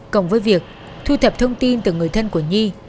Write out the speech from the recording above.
cộng với việc thu thập thông tin từ người thân của nhi